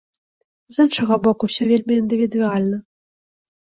З іншага боку, усё вельмі індывідуальна.